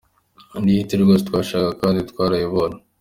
Ni hit rwose twashakaga kandi twarayibonye.